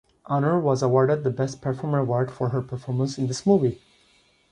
Aunor was awarded the Best Performer award for her performance in this movie.